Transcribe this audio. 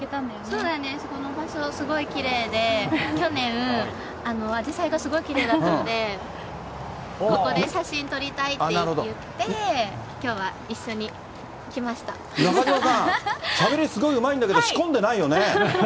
そうです、この場所、すごいきれいで去年、あじさいがすごいきれいだったので、ここで写真撮りたいって言って、きょうは一緒中島さん、しゃべりすごいうまいんだけど、仕込んでないよね？